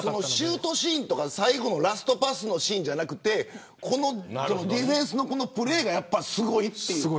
シュートシーンとか最後のラストパスじゃなくてディフェンスのプレーがすごいっていう。